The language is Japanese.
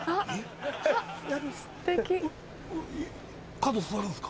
角座るんすか？